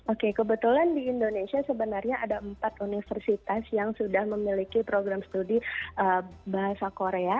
oke kebetulan di indonesia sebenarnya ada empat universitas yang sudah memiliki program studi bahasa korea